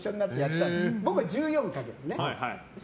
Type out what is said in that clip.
僕は１４にかけてた。